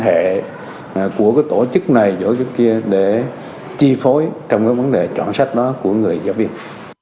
để có một quan hệ của tổ chức này tổ chức kia để chi phối trong vấn đề chọn sách đó của người giáo viên